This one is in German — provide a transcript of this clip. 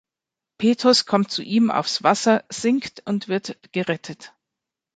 Petrus kommt zu ihm aufs Wasser, sinkt und wird gerettet.